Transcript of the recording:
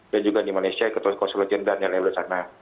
dan juga di malaysia ketua konsul jenderal yang ada di sana